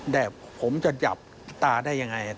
แต่ผมจะหยับตาได้อย่างไร